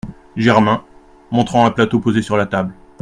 Germain , montrant un plateau posé sur la table.